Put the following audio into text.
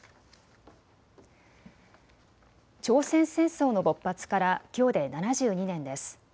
朝鮮戦争の勃発からきょうで７２年です。